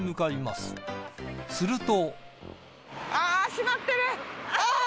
すると。